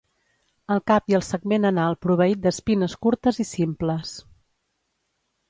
El cap i el segment anal proveït d'espines curtes i simples.